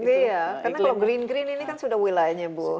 iya karena kalau green green ini kan sudah wilayahnya bu